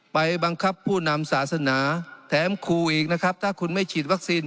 ไปบังคับผู้นำศาสนาแถมคู่อีกนะครับถ้าคุณไม่ฉีดวัคซีน